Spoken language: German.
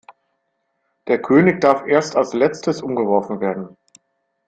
Der König darf erst als letztes umgeworfen werden.